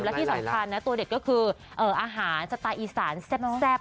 และที่สำคัญนะตัวเด็ดก็คืออาหารสไตล์อีสานแซ่บ